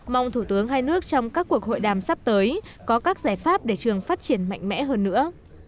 mong thủ tướng hai nước trong các cuộc hội đàm sắp tới có các giải pháp để trường phát triển mạnh mẽ hơn nữa